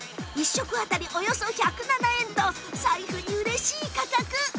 １食当たりおよそ１０７円と財布に嬉しい価格